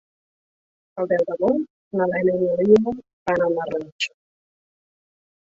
El deu d'agost na Lena i na Lia van al Masroig.